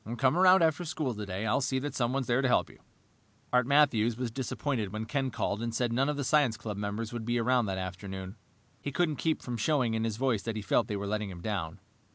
"Come around after school today. I'll see that someone is there to help you." Art Matthews was disappointed when Ken called and said none of the science club members would be around that afternoon. He couldn't keep from showing in his voice that he felt they were letting him down.